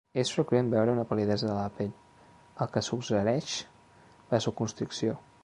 És freqüent veure una pal·lidesa de la pell, el que suggereix vasoconstricció.